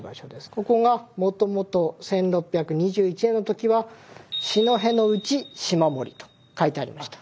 ここがもともと１６２１年の時は「四戸之内嶋森」と書いてありました。